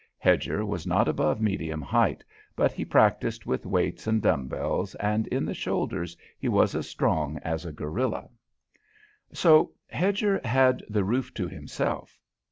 Hedger was not above medium height, but he practised with weights and dumb bells, and in the shoulders he was as strong as a gorilla. So Hedger had the roof to himself.